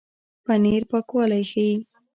پنېر پاکوالی ښيي.